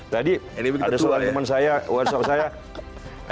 tadi ada soal teman saya